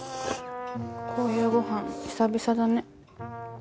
こういうご飯久々だね